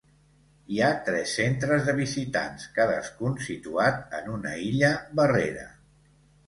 Hi ha tres centres de visitants, cadascun situat en una illa barrera.